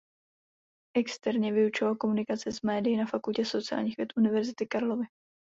Externě vyučoval komunikaci s médii na Fakultě sociálních věd Univerzity Karlovy.